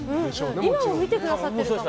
今も見てくださっているかも。